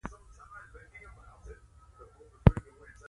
په بادي ټوپک به مو په نښه کړه، هغه بوس خونه.